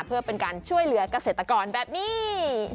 เพื่อเป็นการช่วยเหลือกเกษตรกรแบบนี้